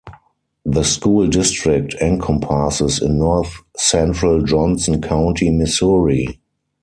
The school district encompasses in North Central Johnson County, Missouri.